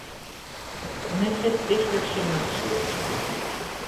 მე დღეს წითლებში მაცვია